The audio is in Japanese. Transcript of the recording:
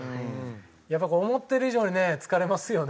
やっぱ思ってる以上にね疲れますよね